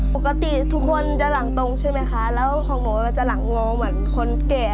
ปกติทุกคนจะหลังตรงใช่ไหมคะรอบเหารองเหมือนคนแก่